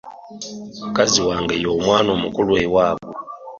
Mukazi wange y'omwana omukulu ewaabwe.